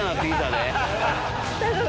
大丈夫？